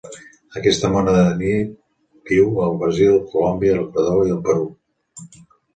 Aquesta mona de nit viu al Brasil, Colòmbia, l'Equador i el Perú.